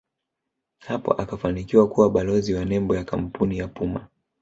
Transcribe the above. hapo akafanikiwa kuwa balozi wa nembo ya kampuni ya Puma